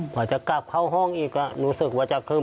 กว่าจะกลับเข้าห้องอีกก็รู้สึกว่าจะคึ่